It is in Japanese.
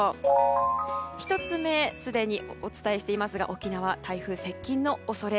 １つ目すでにお伝えしていますが沖縄台風接近の恐れ。